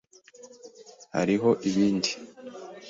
Hariho ibindi?